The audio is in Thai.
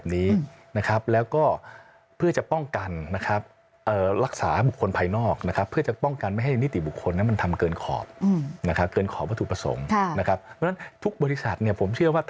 แต่เป็นแบบฟอร์มจริงของกระทรวงพาณิชย์